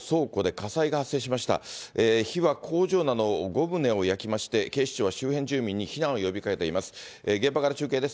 火は工場など５棟を焼きまして、警視庁は周辺住民に避難を呼びかけています。